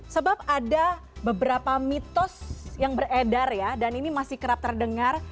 sebab ada beberapa mitos yang beredar ya dan ini masih kerap terdengar